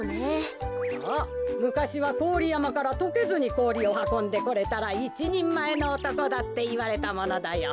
むかしはこおりやまからとけずにこおりをはこんでこれたらいちにんまえのおとこだっていわれたものだよ。